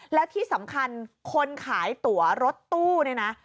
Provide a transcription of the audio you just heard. แล้วที่สำคัญคนขายตัวรถตู้เนี่ยนะ